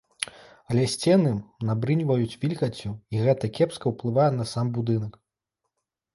Але сцены набрыньваюць вільгаццю і гэта кепска ўплывае на сам будынак.